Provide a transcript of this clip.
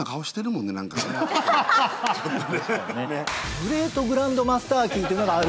グレートグランドマスターキーっていうのがあると。